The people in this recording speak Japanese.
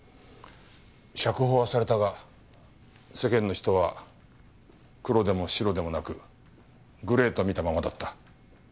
釈放はされたが世間の人はクロでもシロでもなくグレーと見たままだった。